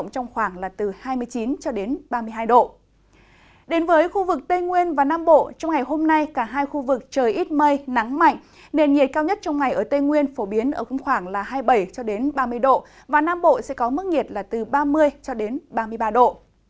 trong ngày hôm nay cả hai khu vực trời ít mây nắng mạnh nền nhiệt cao nhất trong ngày ở tây nguyên phổ biến ở khoảng hai mươi bảy ba mươi độ và nam bộ sẽ có mức nhiệt từ ba mươi ba mươi ba độ